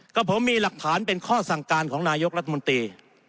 กับผมมีหลักฐานเป็นข้อสั่งการของนายกรัฐมนตรี